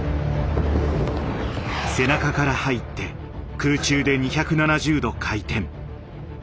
背中から入って空中で２７０度回転。